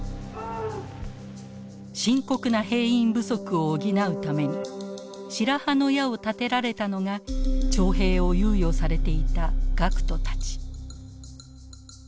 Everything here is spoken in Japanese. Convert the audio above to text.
深刻な兵員不足を補うために白羽の矢を立てられたのが徴兵を猶予されていた学徒たち。